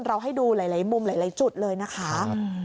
ให้ดูหลายมุมหลายจุดเลยนะคะ